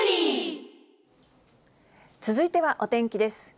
続いてはお天気です。